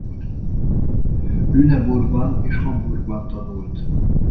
Lüneburgban és Hamburgban tanult.